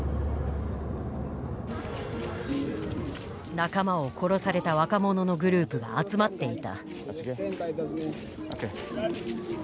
仲間を殺された若者のグループが集まっていた。